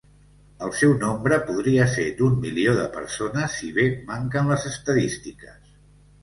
El seu nombre podria ser d'un milió de persones si bé manquen les estadístiques.